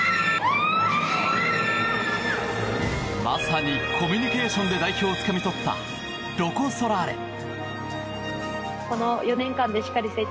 まさにコミュニケーションで代表をつかみ取ったロコ・ソラーレ。